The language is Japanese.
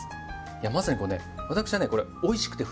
いやまさにこうね私はねこれおいしくて震えます。